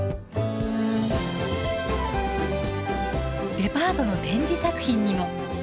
デパートの展示作品にも。